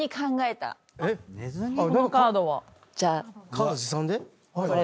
カード持参で？